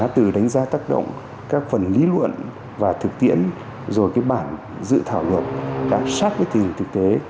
các tự đánh giá tác động các phần lý luận và thực tiễn rồi cái bản dự thảo luật đã sát với tình thực tế